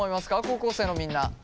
高校生のみんな。